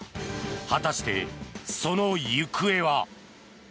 果たして、その行方は？